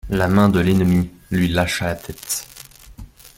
La main de l'ennemi lui lâcha la tête.